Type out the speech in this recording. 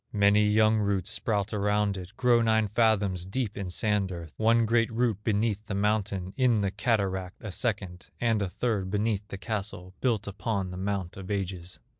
Many young roots sprout around it, Grow nine fathoms deep in sand earth, One great root beneath the mountain, In the cataract a second, And a third beneath the castle Built upon the mount of ages."